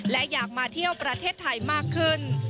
และอยากมาเที่ยวประเทศไทยมากขึ้น